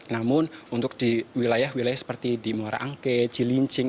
namun untuk di wilayah wilayah seperti di muara angke jilincing